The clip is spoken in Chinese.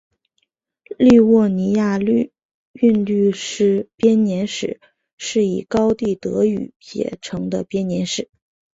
利沃尼亚韵律诗编年史是以高地德语写成的编年史。